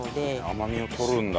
甘みを取るんだ。